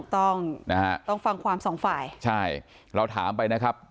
ต้องนะฮะต้องฟังความสองฝ่ายใช่เราถามไปนะครับ